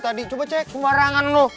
tadi coba cek semua rangan lu